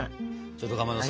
ちょっとかまどさ。